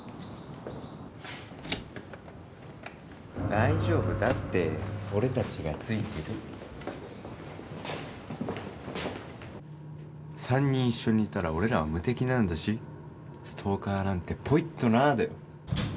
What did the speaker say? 大丈夫だって俺たちがついてる３人一緒にいたら俺らは無敵なんだしストーカーなんてぽいっとなだよ